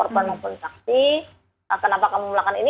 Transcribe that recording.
dan menggunakan saksi